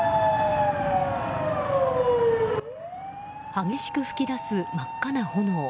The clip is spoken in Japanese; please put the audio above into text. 激しく噴き出す真っ赤な炎。